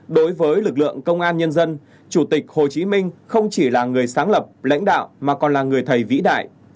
đối với lực lượng công an nhân dân chủ tịch hồ chí minh không chỉ là người sáng lập lãnh đạo mà còn là người thầy vĩ đại